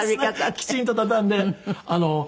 きちんと畳んで。